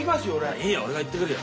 いいよ俺が行ってくるよ。